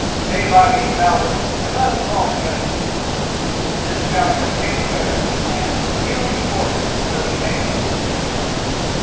Stay by me if thou wilt and let us fall together." Then Skallagrim came to Eric, and, kneeling before him, took his hands and kissed them.